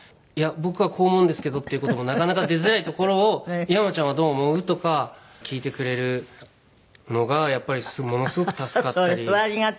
「いや僕はこう思うんですけど」っていう事もなかなか出づらいところを「山ちゃんはどう思う？」とか聞いてくれるのがやっぱりものすごく助かったり。